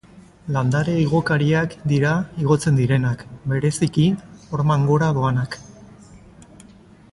Landare igokariak dira igotzen direnak, bereziki horman gora doanak.